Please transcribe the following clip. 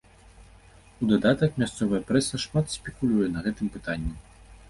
У дадатак, мясцовая прэса шмат спекулюе на гэтым пытанні.